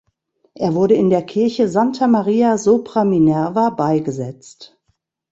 Er wurde in der Kirche Santa Maria sopra Minerva beigesetzt.